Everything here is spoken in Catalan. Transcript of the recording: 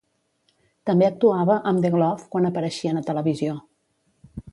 També actuava amb "The Glove" quan apareixien a televisió.